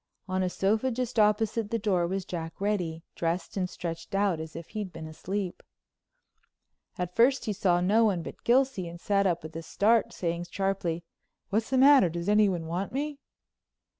On a sofa just opposite the door was Jack Reddy, dressed and stretched out as if he'd been asleep. At first he saw no one but Gilsey and sat up with a start, saying sharply: "What's the matter? Does anyone want me?"